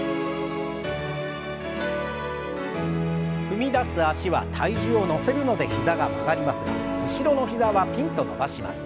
踏み出す脚は体重を乗せるので膝が曲がりますが後ろの膝はピンと伸ばします。